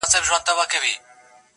هغه به څرنګه بلا وویني؟